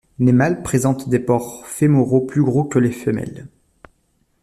Les mâles présentent des pores fémoraux plus gros que les femelles.